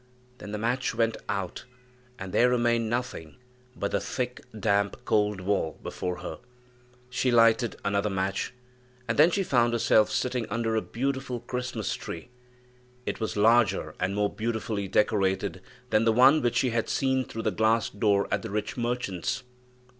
Then the match went out, and there remained nothing but the thick, damp, cold wall before her. She lighted another match, and then she found herself sitting under a beautiful Christmas tree. It was larger and more beautifully decorated than the one which she had seen through the glass door at the rich merchant's.